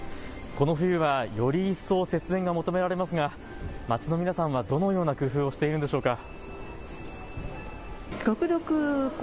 この冬はより一層、節電が求められますが街の皆さんは、どのような工夫をしているんでしょうか。